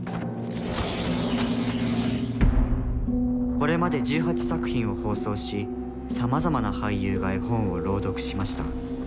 これまで１８作品を放送しさまざまな俳優が絵本を朗読しました。